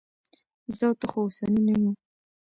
زه او ته خو اوسني نه یو.